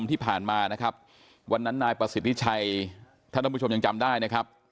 วันที่๙มกราคมที่ผ่านมานะครับวันนั้นนายปศิษฐิชัยท่านท่านผู้ชมยังจำได้นะครับ